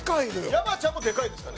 山ちゃんもでかいですからね。